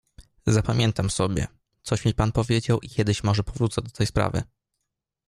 "Zapamiętam sobie, coś mi pan powiedział i kiedyś może powrócę do tej sprawy."